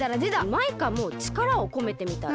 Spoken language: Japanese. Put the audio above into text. マイカもちからをこめてみたら？